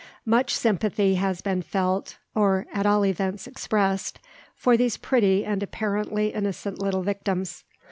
Much sympathy has been felt or at all events expressed for these pretty and apparently innocent little victims.